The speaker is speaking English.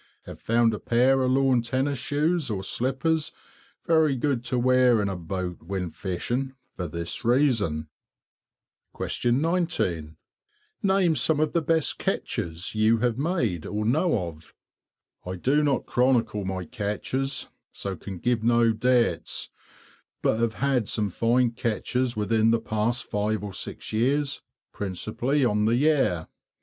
Have found a pair of lawn tennis shoes or slippers very good to wear in a boat when fishing, for this reason. 19. Name some of the best catches you have made or know of. I do not chronicle my catches, so can give no dates; but have had some fine catches within the past five or six years, principally on the Yare.